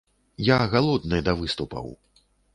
Я галодны да выступаў.